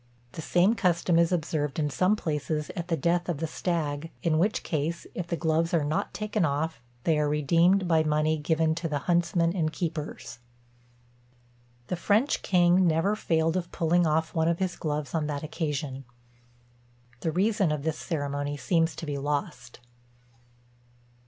The same custom is observed in some places at the death of the stag; in which case, if the gloves are not taken off, they are redeemed by money given to the huntsmen and keepers. The French king never failed of pulling off one of his gloves on that occasion. The reason of this ceremony seems to be lost.